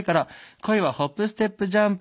「恋はホップステップジャンプ」。